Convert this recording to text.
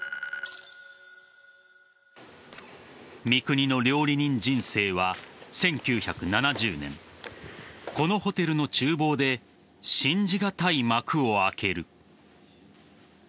三國の料理人人生は１９７０年このホテルの厨房で信じがたい幕を開ける。